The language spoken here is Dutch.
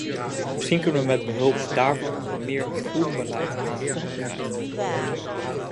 Misschien kunnen we met behulp daarvan meer groen beleid aangenomen krijgen.